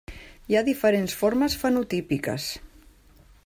Hi ha diferents formes fenotípiques.